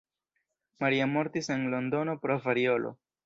Maria mortis en Londono pro variolo.